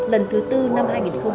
lần thứ tư năm hai nghìn hai mươi